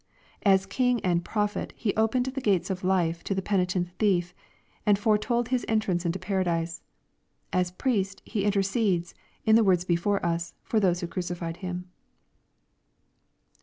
As King and Prophet He opened the gates of life to the penitent thief, and foretold his entrance into Paradise. As Priest, He intercedes, in the words before us, for those who crucified Him.